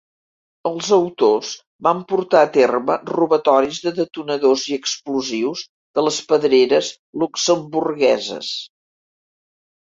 Els autors van portar a terme robatoris de detonadors i explosius de les pedreres luxemburgueses.